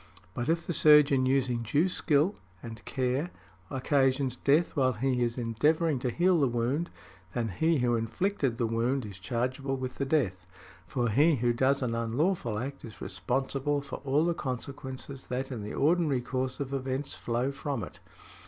But, if the surgeon using due skill and care occasions death while he is endeavouring to heal the wound, then he who inflicted the wound is chargeable with the death; for he who does an unlawful act is responsible for all the consequences that in the ordinary course of events flow from it.